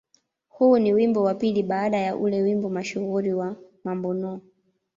Huu ni wimbo wa pili baada ya ule wimbo mashuhuri wa "Mambo No.